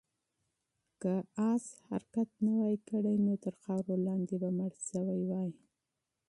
که آس حرکت نه وای کړی، نو تر خاورو لاندې به مړ شوی وای.